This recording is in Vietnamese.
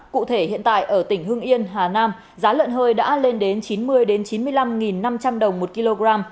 cụ thể hiện tại ở tỉnh hưng yên hà nam giá lợn hơi đã lên đến chín mươi chín mươi năm năm trăm linh đồng một kg